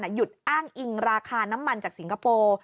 หยุดอ้างอิงราคาน้ำมันจากสิงคโปร์